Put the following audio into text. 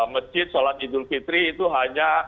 masjid sholat idul fitri itu hanya